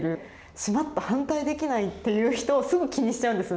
「しまった反対できない」っていう人をすぐ気にしちゃうんです。